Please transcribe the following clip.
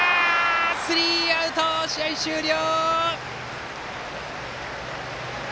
スリーアウト、試合終了！